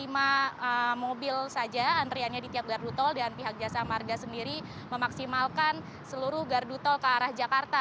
cuma mobil saja antriannya di tiap gardu tol dan pihak jasa marga sendiri memaksimalkan seluruh gardu tol ke arah jakarta